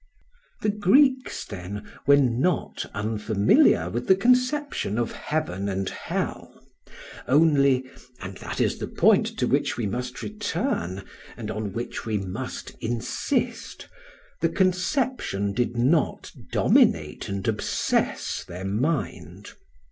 ] The Greeks, then, were not unfamiliar with the conception of heaven and hell: only, and that is the point to which we must return and on which we must insist, the conception did not dominate and obsess their mind.